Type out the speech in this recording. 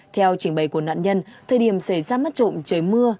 theo trình bày của nạn nhân thời điểm xảy ra mất trộm trời mưa